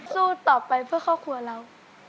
สู้ต่อไปเพื่อครอบครัวเรา